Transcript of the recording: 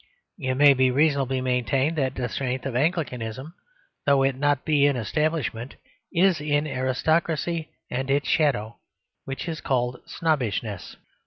It may be reasonably maintained that the strength of Anglicanism, though it be not in establishment, is in aristocracy, and its shadow, which is called snobbishness.